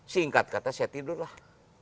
singkat kata saya tidur lah